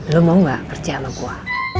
lo mau gak kerja sama gue